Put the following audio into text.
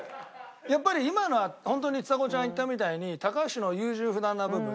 やっぱり今のは本当にちさ子ちゃんが言ったみたいに高橋の優柔不断な部分。